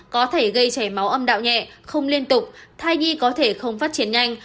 có thể gây chảy máu âm đạo nhẹ không liên tục thai nhi có thể không phát triển nhanh